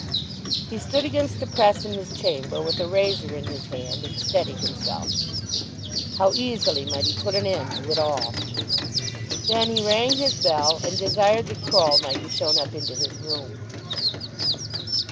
He stood against a press in his chamber, with a razor in his hand, and steadied himself. How easily might he put an end to it all! Then he rang his bell and desired that Croll might be shown up into his room.